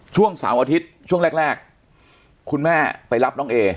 ช่วงเสาร์อาทิตย์ช่วงแรกคุณแม่ไปรับน้องเอ